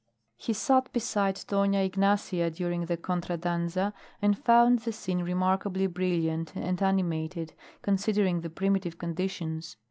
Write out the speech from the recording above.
He sat beside Dona Ignacia during the contra danza and found the scene remarkably brilliant and animated considering the primitive conditions.